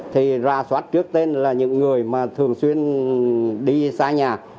thì ra soát trước tên là những người mà thường xuyên đi xa nhà